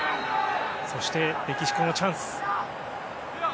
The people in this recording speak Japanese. そしてメキシコのチャンス。